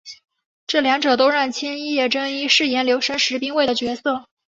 这两者都让千叶真一饰演柳生十兵卫的角色。